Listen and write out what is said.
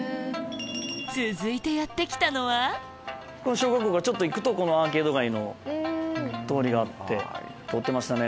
続いてやって来たのは小学校からちょっと行くとアーケード街の通りがあって通ってましたね